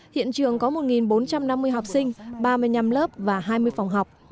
hiện trường có một bốn trăm năm mươi học sinh ba mươi năm lớp và hai mươi phòng học